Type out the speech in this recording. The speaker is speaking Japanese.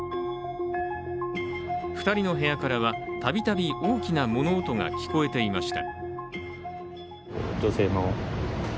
２人の部屋からはたびたび大きな物音が聞こえていました。